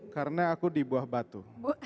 karena aku di buah batu